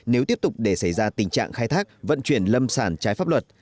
nếu tiếp tục để xảy ra tình trạng khai thác vận chuyển lâm sản trái pháp luật